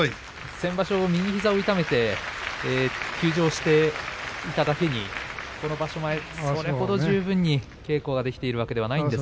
先場所は右膝を痛めて休場していただけにこの場所前、十分に稽古ができているわけではないと思います。